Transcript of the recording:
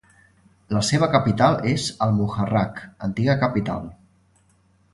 La seva capital és al-Muharraq, antiga capital.